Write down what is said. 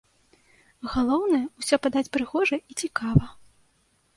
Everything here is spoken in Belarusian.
Галоўнае, усё падаць прыгожа і цікава.